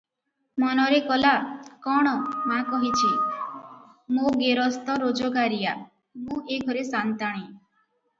ମନରେ କଲା, "କଣ! ମା କହିଛି, ମୋ ଗେରସ୍ତ ରୋଜଗାରିଆ, ମୁଁ ଏ ଘରେ ସାନ୍ତାଣୀ ।